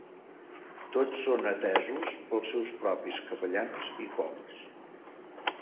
Tots són atesos pels seus propis capellans i cors.